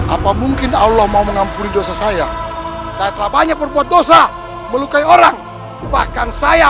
apa mungkin allah mau mengampuri dosa saya saya telah banyak berbuat dosa melukai orang bahkan saya